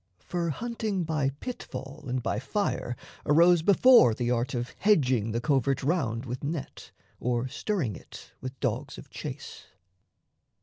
(For hunting by pit fall and by fire arose Before the art of hedging the covert round With net or stirring it with dogs of chase.)